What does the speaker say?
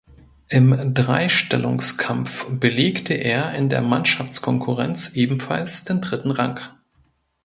Im Dreistellungskampf belegte er in der Mannschaftskonkurrenz ebenfalls den dritten Rang.